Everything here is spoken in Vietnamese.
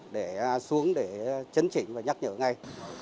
để xuống để chấn chỉnh và nhắc nhở ngay